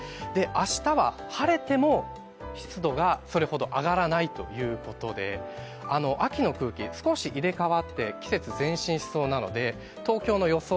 明日は晴れても、湿度がそれほど上がらないということで秋の空気、少し入れ代わって季節前進しそうなので東京の予想